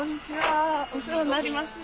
お世話になります。